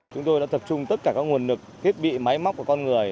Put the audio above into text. chúng tôi đã tập trung tất cả các nguồn lực thiết bị máy móc của con người